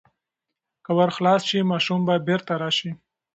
که ور خلاص شي، ماشوم به بیرته راشي.